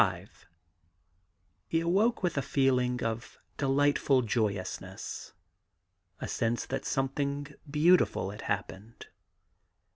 36 E awoke with a feeling of delightful joyousness, a sense that something beautiful had happened.